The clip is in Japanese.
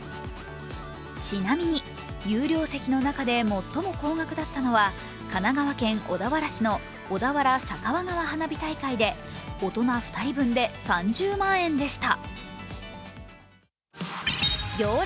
ちなみに有料席の中で最も高額だったのは神奈川県小田原市の小田原酒匂川花火大会で大人２人分で３０万円でした。